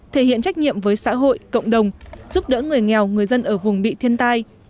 thể hiện trách nhiệm với xã hội cộng đồng giúp đỡ người nghèo người dân ở vùng bị thiên tai